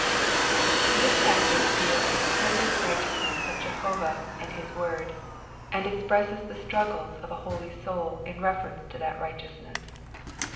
This passage deals with the perfect righteousness of Jehovah and his word, and expresses the struggles of a holy soul in reference to that righteousness.